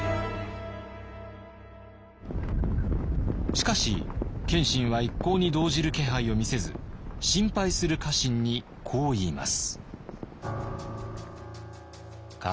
しかし謙信は一向に動じる気配を見せず心配する家臣にこう言います。